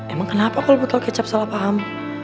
emang kenapa kalau betul kecap salah paham